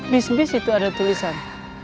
bis bis itu ada tulisan